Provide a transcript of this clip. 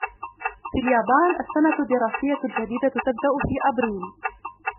في اليابان السنة الدراسية الجديدة تبدأ في أبريل.